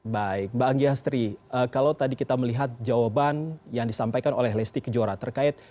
baik mbak anggiastri kalau tadi kita melihat jawaban yang disampaikan oleh lesti kejora terkait